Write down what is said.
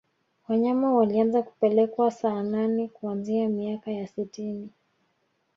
wanyama walianza kupelekwa saanane kuanzia miaka ya sitini